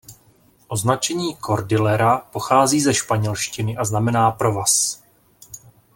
Označení "cordillera" pochází ze španělštiny a znamená provaz.